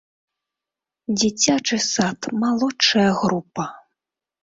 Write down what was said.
Дзіцячы сад, малодшая група!